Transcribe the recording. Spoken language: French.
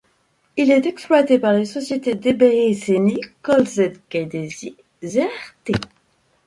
Il est exploité par les sociétés Debreceni Közlekedési Zrt.